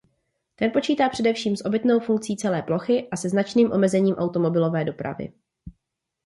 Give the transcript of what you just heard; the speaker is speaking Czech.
Ten počítá především s obytnou funkcí celé plochy a se značným omezením automobilové dopravy.